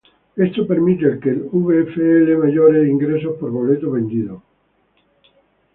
Esto permite que el VfL mayores ingresos por boleto vendido.